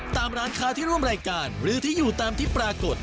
ตามร้านค้าที่ร่วมรายการหรือที่อยู่ตามที่ปรากฏ